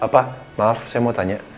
apa maaf saya mau tanya